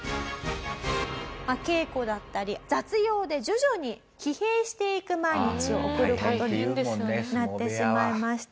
稽古だったり雑用で徐々に疲弊していく毎日を送る事になってしまいました。